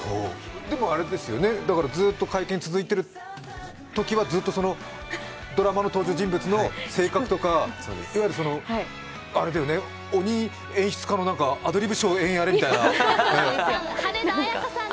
でも、ずっと会見続いてるときは、ずっとドラマの登場人物の性格とかいわゆる鬼演出家のアドリブショーでやれみたいな。